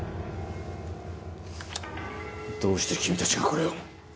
どうして君たちがこれを。